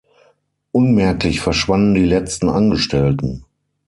Unmerklich verschwanden die letzten Angestellten.